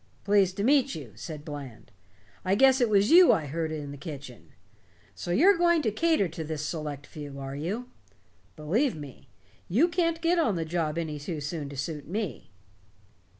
"Pleased to meet you," said Bland. "I guess it was you I heard in the kitchen. So you're going to cater to this select few, are you? Believe me, you can't get on the job any too soon to suit me."